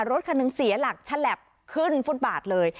รถคันหนึ่งเสียหลักฉลับขึ้นฟุตบาทเลย